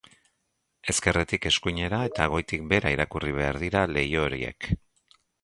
Ezkerretik eskuinera eta goitik behera irakurri behar dira leiho horiek.